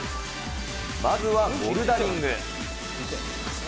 まずはボルダリング。